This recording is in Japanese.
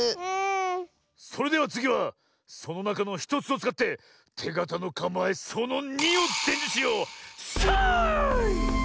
それではつぎはそのなかの１つをつかっててがたのかまえその２をでんじゅしよう。さい！